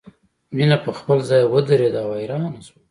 مینه په خپل ځای ودریده او حیرانه شوه